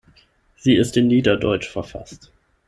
Sie ist in Niederdeutsch verfasst.